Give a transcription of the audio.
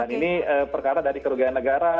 ini perkara dari kerugian negara